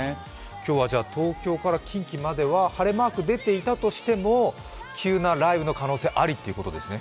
今日は東京から近畿までは晴れマーク出ていたとしても、急な雷雨の可能性ありっていうことですね。